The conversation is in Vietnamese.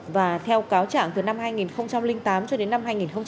và theo cáo trạng từ năm hai nghìn tám cho đến năm hai nghìn một mươi